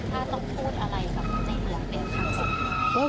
ถ้าต้องพูดอะไรครับนี่เหลือเป็นข้างสุด